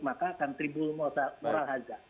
maka akan tribunal moral haja